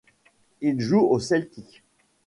Il joue au Celtic.